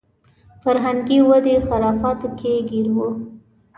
فرهنګي ودې خرافاتو کې ګیر و.